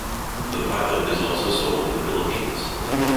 The Pilot is also sold in the Philippines.